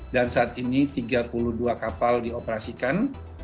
dan saat ini tiga puluh dua kapal dioperasikan